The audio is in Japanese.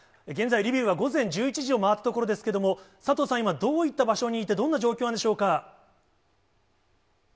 現在、リビウは午前１１時を回ったところですけれども、佐藤さん、今、どういった場所にいて、どんな状況でしょうか。